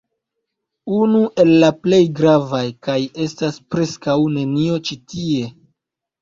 Unu el la plej gravaj kaj estas preskaŭ nenio ĉi tie